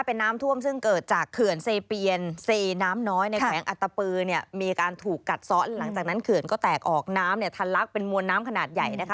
เป็นน้ำท่วมซึ่งเกิดจากเขื่อนเมืองไซเฟียร